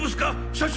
社長！